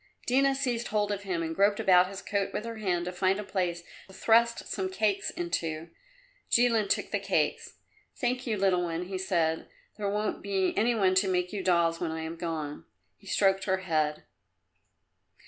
Dina seized hold of him and groped about his coat with her hand to find a place to thrust some cakes into. Jilin took the cakes. "Thank you, little one," he said. "There won't be any one to make you dolls when I am gone." He stroked her head.